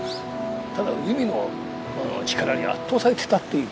ただ海の力に圧倒されてたっていうか。